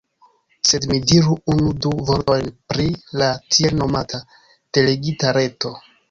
Sed mi diru unu-du vortojn pri la tiel-nomata "Delegita Reto".